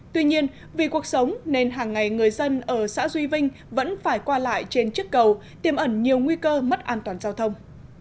tuy nhiên vì cuộc sống nên hàng ngày người dân ở xã duy vinh vẫn phải qua lại trên chiếc cầu tiêm ẩn nhiều nguy cơ mất an toàn giao thông